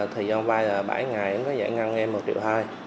thì do vay là bảy ngày ổng có giải ngân ngay một triệu hai